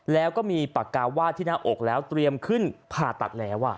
แล้วก็มีปากกาวาดที่หน้าอกแล้วเตรียมขึ้นผ่าตัดแล้ว